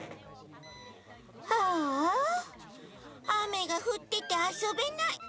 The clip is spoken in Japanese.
あああめがふっててあそべない。